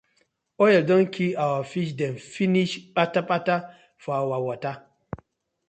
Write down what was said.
Oil don kii our fish dem finish kpatakpata for our wata.